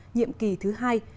nhiệm kỳ thứ hai